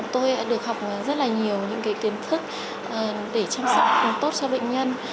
tôi đã được học rất là nhiều những kiến thức để chăm sóc tốt cho bệnh nhân